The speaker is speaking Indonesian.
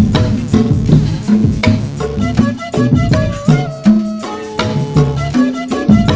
jangan sampai nanti dicopet